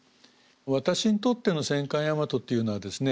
私にとっての戦艦大和というのはですね